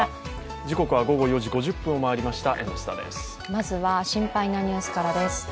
まずは心配なニュースからです。